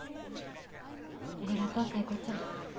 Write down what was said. ありがとう聖子ちゃん。